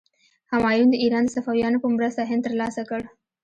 همایون د ایران د صفویانو په مرسته هند تر لاسه کړ.